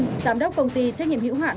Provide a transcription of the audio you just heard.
giám đốc công ty trách nhiệm hữu hạn